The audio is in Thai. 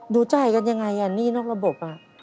จ่ายกันยังไงหนี้นอกระบบ